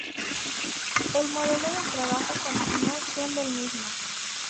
El modelo de trabajo continúo siendo el mismo.